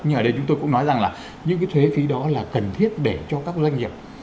nhưng ở đây chúng tôi cũng nói rằng là những cái thuế phí đó là cần thiết để cho các doanh nghiệp